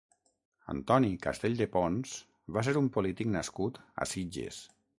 Antoni Castell de Pons va ser un polític nascut a Sitges.